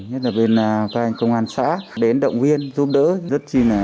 nhất là bên các anh công an xã đến động viên giúp đỡ rất chi là